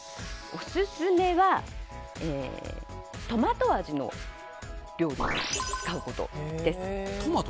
オススメはトマト味の料理に使うことです。